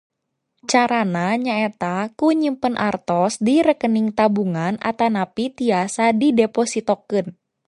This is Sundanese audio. Cara na ku nyimpen artos di rekening tabungan atanapi tiasa didepositokeun.